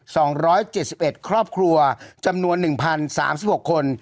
สองร้อยเจ็ดสิบเอ็ดครอบครัวจำนวนหนึ่งพันสามสิบหกคน